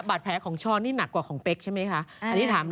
บาดแผลของช้อนนี่หนักกว่าของเป๊กใช่ไหมคะ